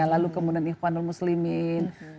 lalu kemudian ikhwanul muslimin